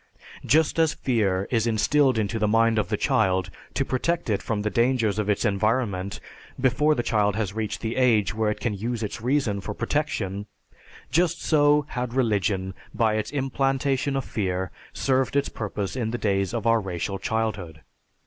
Just as fear is instilled into the mind of the child to protect it from the dangers of its environment before the child has reached the age when it can use its reason for protection, just so had religion, by its implantation of fear, served its purpose in the days of our racial childhood.